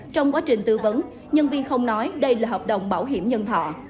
trong quá trình tư vấn nhân viên không nói đây là hợp đồng bảo hiểm nhân thọ